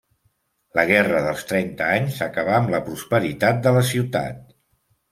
La Guerra dels Trenta Anys acabà amb la prosperitat de la ciutat.